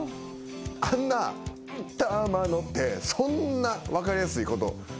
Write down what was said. あんな「タマの」ってそんな分かりやすいことない。